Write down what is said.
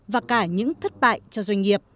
và cả những thất bại cho doanh nghiệp